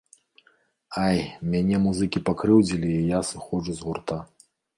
Ай, мяне музыкі пакрыўдзілі і я сыходжу з гурта.